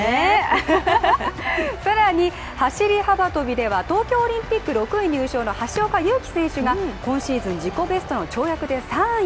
更に走り幅跳びでは東京オリンピック６位入賞の橋岡優輝選手が今シーズン自己ベストの跳躍で３位。